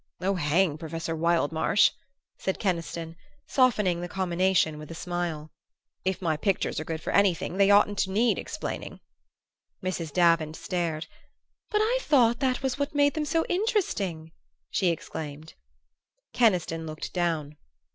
"Oh, hang Professor Wildmarsh!" said Keniston, softening the commination with a smile. "If my pictures are good for anything they oughtn't to need explaining." Mrs. Davant stared. "But I thought that was what made them so interesting!" she exclaimed. Keniston looked down.